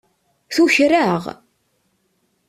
Tuker-aɣ.